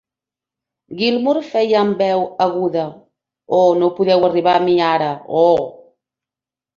Gilmour feia amb veu aguda "Oh, no podeu arribar a mi ara, oh!".